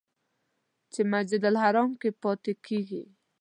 چې مسجدالحرام کې پاتې کېږي.